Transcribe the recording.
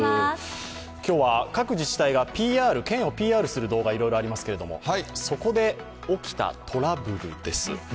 今日は各自治体が県をＰＲする動画がいろいろありますが、そこで起きたトラブルです。